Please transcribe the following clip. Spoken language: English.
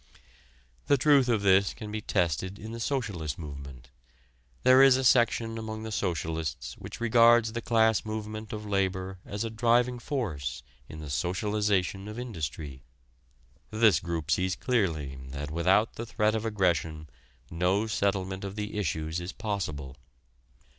The truth of this can be tested in the socialist movement. There is a section among the socialists which regards the class movement of labor as a driving force in the socialization of industry. This group sees clearly that without the threat of aggression no settlement of the issues is possible.